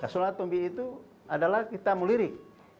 kasulana tombi itu adalah kita melirik